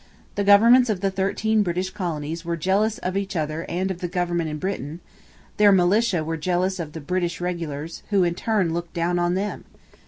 The governments of the thirteen British colonies were jealous of each other and of the government in Britain; their militia were jealous of the British regulars, who in turn looked down on them.